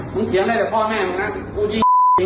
มึงเสียงได้แต่พ่อแม่มึงนะพูดยิ้มจริงเลย